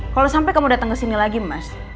kalo sampe kamu datang kesini lagi mas